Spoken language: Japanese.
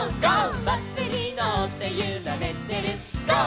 「バスにのってゆられてるゴー！